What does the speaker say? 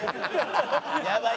やばい！